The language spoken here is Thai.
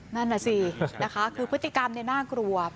นั่นน่ะสินะคะคือพฤติกรรมน่ากลัว